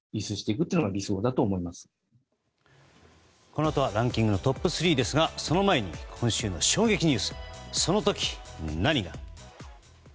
このあとはランキングトップ３ですがその前に今週の衝撃ニュースその時何が。